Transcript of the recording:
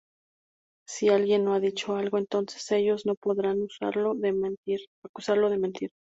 Si alguien no ha dicho algo, entonces ellos no podrán acusarlo de mentir.